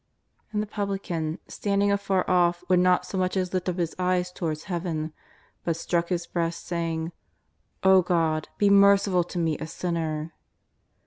And the publican, standing afar off, would not so much as lift up his eyes towards Heaven, but struck his breast, saying: *0 God, be merciful to me a sinner.'